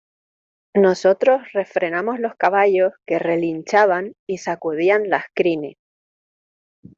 nosotros refrenamos los caballos que relinchaban y sacudían las crines.